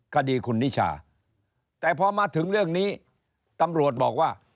คดีคุณนิชาแต่พอมาถึงเรื่องนี้ตำรวจบอกว่า